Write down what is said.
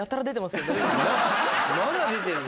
まだ出てる。